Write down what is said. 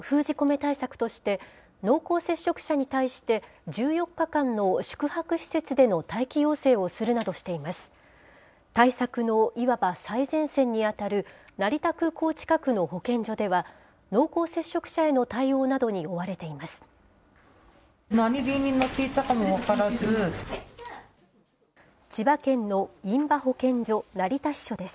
対策のいわば最前線に当たる、成田空港近くの保健所では、濃厚接触者の対応などに追われています。